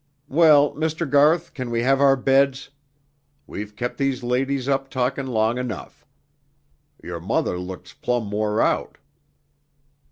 Well, Mr. Garth, can we have our beds? We've kept these ladies up talkin' long enough. Your mother looks plum wore out."